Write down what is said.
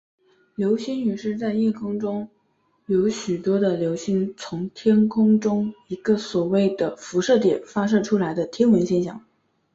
流星雨是在夜空中有许多的流星从天空中一个所谓的辐射点发射出来的天文现象。